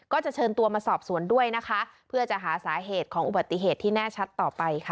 ก็จะเชิญตัวมาสอบสวนด้วยนะคะเพื่อจะหาสาเหตุของอุบัติเหตุที่แน่ชัดต่อไปค่ะ